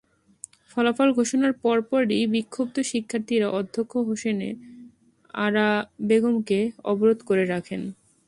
ফলাফল ঘোষণার পরপরই বিক্ষুব্ধ শিক্ষার্থীরা অধ্যক্ষ হোসনে আরা বেগমকে অবরোধ করে রাখেন।